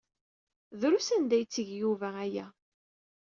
Drus anda ay yetteg Yuba aya.